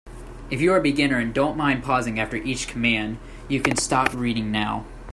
If you are a beginner and don't mind pausing after each command, you can stop reading now.